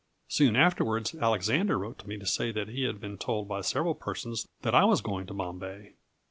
Soon afterwards Alexander wrote to me to say that he had been told by several persons that I was going to Bombay.